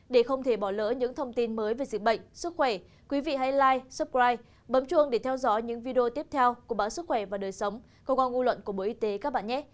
để không bỏ lỡ những thông tin mới về dịch bệnh sức khỏe quý vị hãy like subscribe bấm chuông để theo dõi những video tiếp theo của bản sức khỏe và đời sống công an ngu luận của bộ y tế các bạn nhé